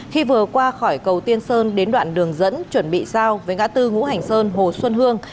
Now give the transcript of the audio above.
khi vừa qua khỏi cầu tiên sơn đến đoạn đường dẫn chuẩn bị giao với ngã tư ngũ hành sơn hồ xuân hương